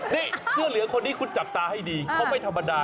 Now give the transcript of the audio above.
นี่เสื้อเหลืองคนนี้คุณจับตาให้ดีเขาไม่ธรรมดา